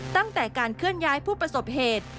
ตั้งแต่การเคลื่อนย้ายผู้ประสบเหตุ